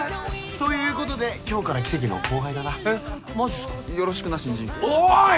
ということで今日からキセキの後輩だなえっマジっすかよろしくな新人おい！